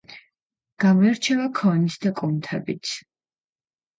გამოირჩევა ქონით და კუნთებით.